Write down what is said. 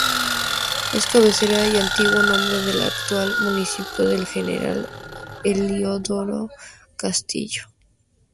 Es cabecera, y antiguo nombre, del actual municipio de General Heliodoro Castillo.